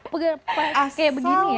pegang kayak begini ya